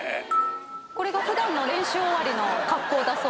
これが普段の練習終わりの格好だそうです。